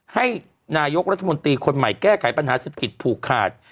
ให้นายกรัฐมนตรีคนใหม่แก้ไขปัญหาเศรษฐกิจผูกขาด